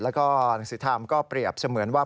และหนังสือทามก็เปรียบเสมือนว่า